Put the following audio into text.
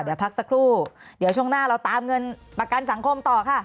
เดี๋ยวพักสักครู่เดี๋ยวช่วงหน้าเราตามเงินประกันสังคมต่อค่ะ